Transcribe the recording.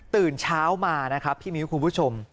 ตื่นเช้ามานะครับพี่มิ้วคุณผู้ชม